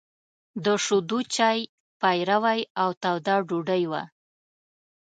د شيدو چای، پيروی او توده ډوډۍ وه.